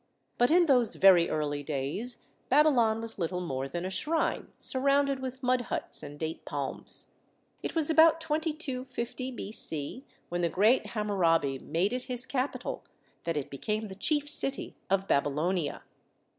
But in those very early days Babylon was little more than a shrine, surrounded with mud huts 42 THE SEVEN WONDERS and date palms. It was about 2250 B.C., when the great Hammurabi made it his capital, that it became the chief city of Babylonia.